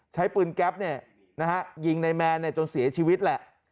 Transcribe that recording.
ใช้ปืนแก๊ปยิงในแมนจนเสียชีวิตแหละ